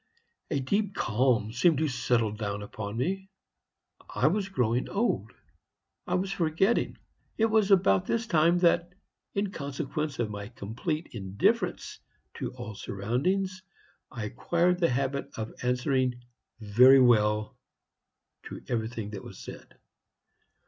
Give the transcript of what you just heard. A deep calm seemed to settle down upon me. I was growing old. I was forgetting. It was about this time that, in consequence of my complete indifference to all surroundings, I acquired the habit of answering 'Very well' to everything that was said.